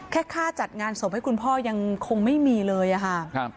แค่ค่าจัดงานศพให้คุณพ่อยังคงไม่มีเลยอะค่ะ